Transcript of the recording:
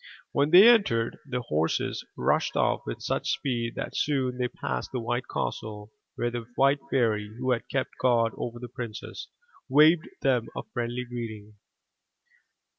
When they entered, the horses rushed off with such speed that soon they passed the white castle where the white fairy, who had kept guard over the princess, waved them a friendly greeting.